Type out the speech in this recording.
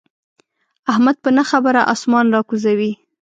احمد په نه خبره اسمان را کوزوي.